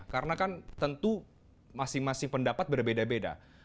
karena kan tentu masing masing pendapat berbeda beda